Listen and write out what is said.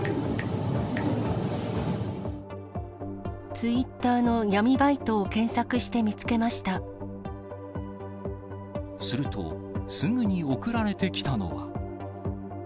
ツイッターの闇バイトを検索すると、すぐに送られてきたのは。